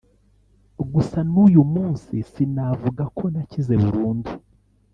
Gusa n’uyu munsi sinavuga ko nakize burundu